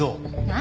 何？